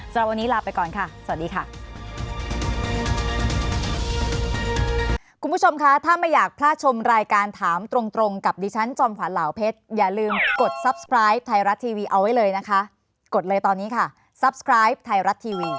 สำหรับวันนี้ลาไปก่อนค่ะสวัสดีค่ะ